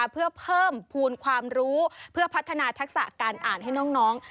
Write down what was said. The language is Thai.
เพื่อเพิ่มภูมิความรู้เพื่อพัฒนาทักษะการอ่านให้น้อง